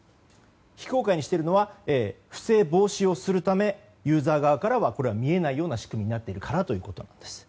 非公開にしているのは不正防止をするためユーザー側からは見えないような仕組みになっているからということです。